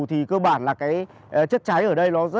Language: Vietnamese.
thì cơ bản là chất cháy ở đây rất là khó khăn